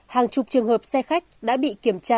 hàng chục trường hợp xe khách